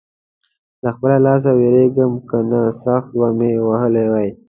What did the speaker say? له خپله لاسه وېرېږم؛ که نه سخت به مې وهلی وې.